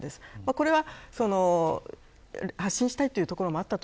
これは、発信したいというところもあった